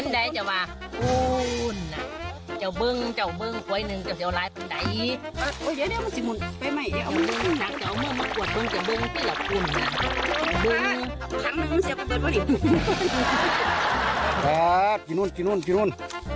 ลองจินูนจินูนจินูน